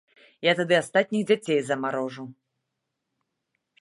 Я тады астатніх дзяцей замарожу.